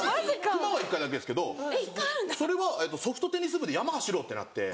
熊は一回だけですけどそれはソフトテニス部で山走ろうってなって。